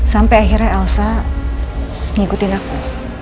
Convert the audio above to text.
sampai akhirnya elsa ngikutin aku